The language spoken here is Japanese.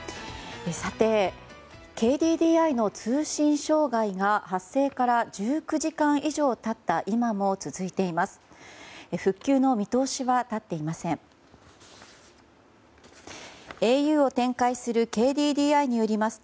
さて、ＫＤＤＩの通信障害が発生から１９時間以上経った今も続いています。